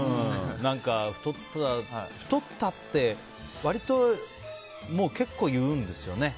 太った？って割と、結構言うんですよね。